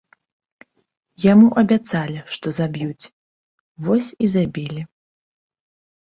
Яму абяцалі, што заб'юць, вось і забілі.